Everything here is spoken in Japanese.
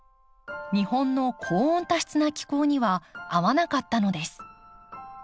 日本の高温多湿な気候には合わなかったのです。